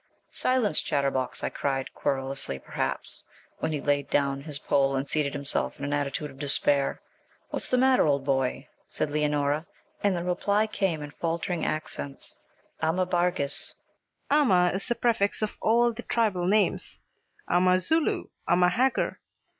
'Silence, chatterbox!' I cried, querulously perhaps, when he laid down his pole and seated himself in an attitude of despair. 'What's the matter, old boy?' asked Leonora, and the reply came in faltering accents 'The Ama Barghîs!' Ama is the prefix of all the tribal names; Ama Zulu, Ama Hagger.